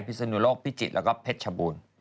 ศนุโลกพิจิตรแล้วก็เพชรชบูรณ์